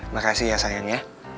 makasih ya sayangnya